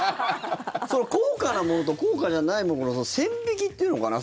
高価なものと高価じゃないものの線引きっていうのかな。